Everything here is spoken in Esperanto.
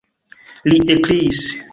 li ekkriis.